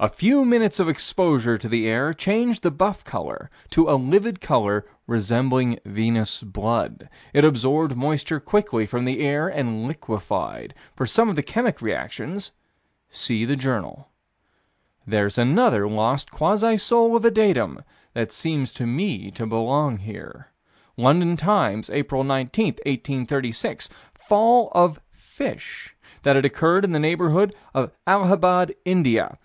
A few minutes of exposure to the air changed the buff color to "a livid color resembling venous blood." It absorbed moisture quickly from the air and liquefied. For some of the chemic reactions, see the Journal. There's another lost quasi soul of a datum that seems to me to belong here: London Times, April 19, 1836: Fall of fish that had occurred in the neighborhood of Allahabad, India.